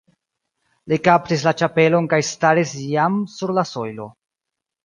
Li kaptis la ĉapelon kaj staris jam sur la sojlo.